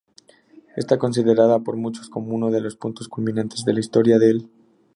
Está considerada por muchos como uno de los puntos culminantes de la historia del